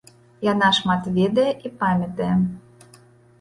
Яна шмат ведае і памятае.